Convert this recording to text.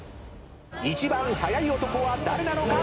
一番速い男は誰なのか？